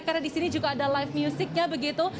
karena di sini juga ada live musicnya begitu